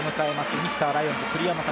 ミスターライオンズ・栗山巧。